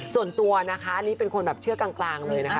ส่วนตัวนะคะอันนี้เป็นคนแบบเชื่อกลางเลยนะคะ